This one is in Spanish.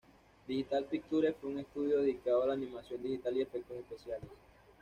Digital Pictures fue un estudio dedicado a la animación digital y efectos especiales.